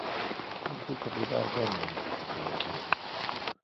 Com puc arribar a Dénia amb bicicleta?